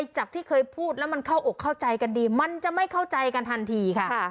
จากที่เคยพูดแล้วมันเข้าอกเข้าใจกันดีมันจะไม่เข้าใจกันทันทีค่ะ